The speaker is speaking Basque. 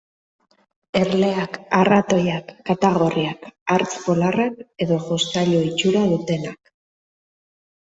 Erleak, arratoiak, katagorriak, hartz polarrak edo jostailu itxura dutenak.